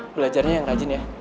belajarnya yang rajin ya